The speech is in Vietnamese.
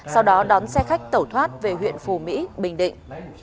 sau đó đón xe khách tẩu thoát về huyện phù mỹ bình định